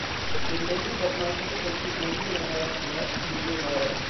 चेन्नई में बदमाशों ने चलती ट्रेन में लहराए हथियार, वीडियो वायरल